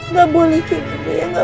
nggak boleh kayak gini